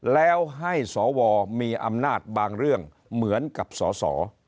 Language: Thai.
แล้วให้สวมีอำนาจบางเรื่องเหมือนกับสส